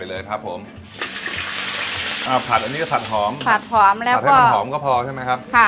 อันนี้จะผัดหอมผัดให้มันหอมก็พอใช่ไหมครับ